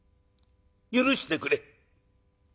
許してくれ。